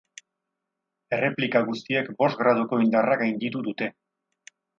Erreplika guztiek bost graduko indarra gainditu dute.